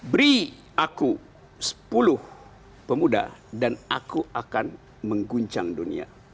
beri aku sepuluh pemuda dan aku akan mengguncang dunia